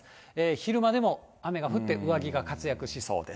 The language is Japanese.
昼間でも雨が降って上着が活躍しそうです。